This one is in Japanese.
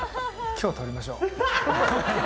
今日撮りましょう。